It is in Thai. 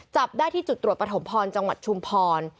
จับได้ที่จุดตรวจปฐมพรจังหวัดชุมพร